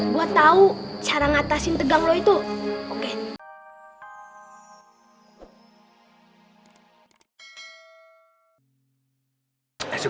gue tau cara ngatasin tegang lo itu